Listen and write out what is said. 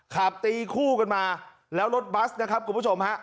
ขับตีคู่กันมาแล้วรถบัสนะครับคุณผู้ชมฮะ